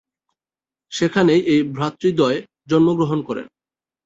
সেখানেই এই ভ্রাতৃদ্বয় জন্মগ্রহণ করেন।